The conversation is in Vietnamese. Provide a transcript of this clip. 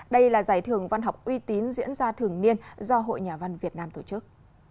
đây là giải thưởng văn học uy tín diễn ra thường niên do hội nhà văn việt nam tổ chức